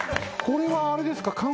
これはあれですか。